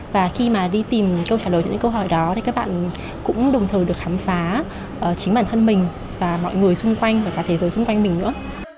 và khi mà đi tìm câu trả lời những câu hỏi đó thì các bạn cũng đồng thời được khám phá chính bản thân mình và mọi người xung quanh và cả thế giới xung quanh mình nữa